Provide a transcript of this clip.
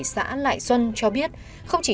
xã lại xuân cho biết không chỉ